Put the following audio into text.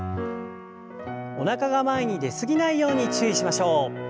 おなかが前に出すぎないように注意しましょう。